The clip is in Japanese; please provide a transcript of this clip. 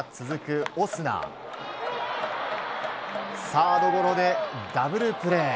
サードゴロでダブルプレー。